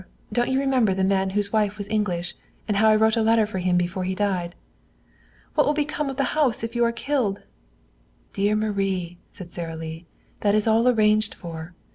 Don't you remember the man whose wife was English, and how I wrote a letter for him before he died?" "What will become of the house if you are killed?" "Dear Marie," said Sara Lee, "that is all arranged for.